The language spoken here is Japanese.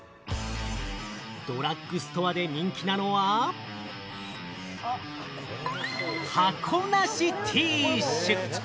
ドラッグストアで人気なのは、箱なしティッシュ。